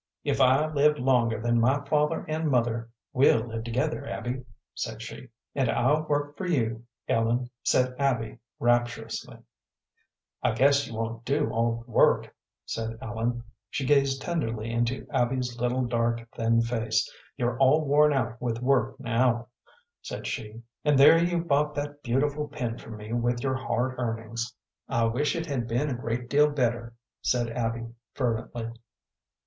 "If I live longer than my father and mother, we'll live together, Abby," said she. "And I'll work for you, Ellen," said Abby, rapturously. "I guess you won't do all the work," said Ellen. She gazed tenderly into Abby's little, dark, thin face. "You're all worn out with work now," said she, "and there you bought that beautiful pin for me with your hard earnings." "I wish it had been a great deal better," said Abby, fervently.